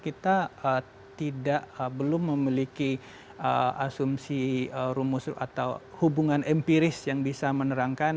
kita belum memiliki asumsi rumus atau hubungan empiris yang bisa menerangkan